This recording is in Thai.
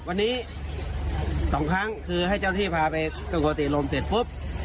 วันนี้๒ครั้งคือให้เจ้าที่พาไปสงบสติอารมณ์เสร็จปุ๊บ